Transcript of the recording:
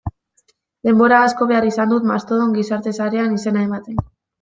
Denbora asko behar izan dut Mastodon gizarte sarean izena ematen.